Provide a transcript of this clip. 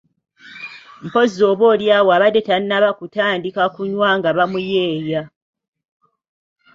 Mpozzi oba oli awo abadde tannaba kutandika kunywa nga bamuyeeya.